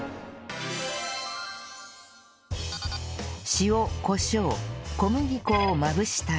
塩コショウ小麦粉をまぶしたら